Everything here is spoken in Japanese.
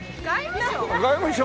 外務省？